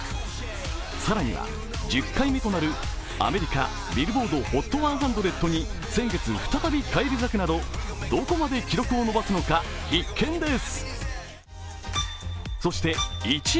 更には１０回目となるアメリカ・ＢｉｌｌｂｏａｒｄＨＯＴ１００に先月、再び返り咲くなどどこまで記録を伸ばすのか必見です。